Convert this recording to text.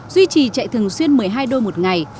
duy trì chạy thường xuyên một mươi hai đôi một ngày